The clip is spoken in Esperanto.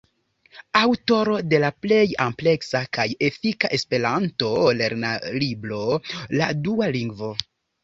Aŭtoro de la plej ampleksa kaj efika esperanto-lernolibro, "La dua lingvo".